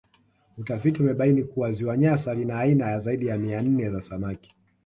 Utafiti umebaini kuwa Ziwa Nyasa lina aina ya zaidi ya mia nne za samaki